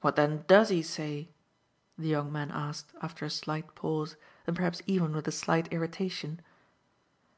What then DOES he say?" the young man asked after a slight pause and perhaps even with a slight irritation.